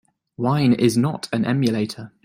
Wine is not an emulator.